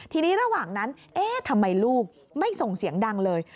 ทีนี้ระหว่างนั้นเอ๊ะทำไมลูกไม่ส่งเสียงดังเลย